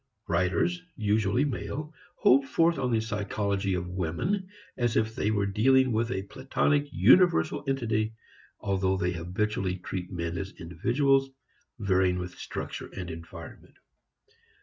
Writers, usually male, hold forth on the psychology of woman, as if they were dealing with a Platonic universal entity, although they habitually treat men as individuals, varying with structure and environment.